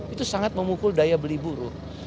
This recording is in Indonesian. itu sangat memukul daya beli buruh